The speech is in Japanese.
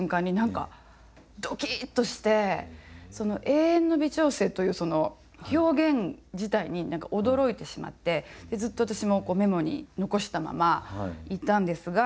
「永遠の微調整」というその表現自体に何か驚いてしまってずっと私もメモに残したままいたんですが。